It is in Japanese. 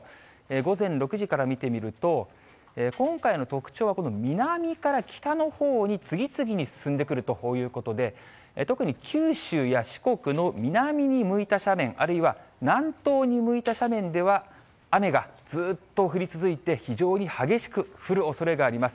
午前６時から見てみると、今回の特徴は、この南から北のほうに次々に進んでくると、こういうことで、特に九州や四国の南に向いた斜面、あるいは南東に向いた斜面では、雨がずっと降り続いて、非常に激しく降るおそれがあります。